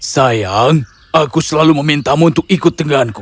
sayang aku selalu memintamu untuk ikut denganku